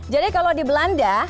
jadi kalau di belanda